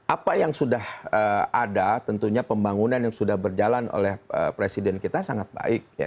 apa yang sudah ada tentunya pembangunan yang sudah berjalan oleh presiden kita sangat baik